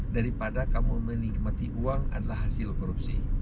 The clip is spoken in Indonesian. daripada kamu menikmati uang adalah hasil korupsi